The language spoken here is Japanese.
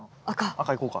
赤いこうか。